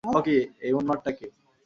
এই উন্মাদটা কে?